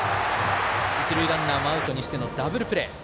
一塁ランナーもアウトにしてのダブルプレー。